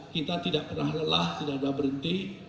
kita tidak pernah lelah tidak pernah berhenti